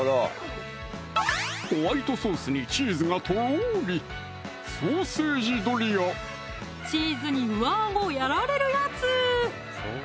ホワイトソースにチーズがとろりチーズに上あごやられるやつ！